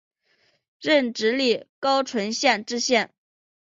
任直隶高淳县知县。